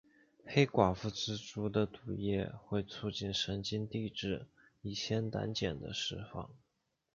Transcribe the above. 黑寡妇蜘蛛的毒液会促进神经递质乙酰胆碱的释放。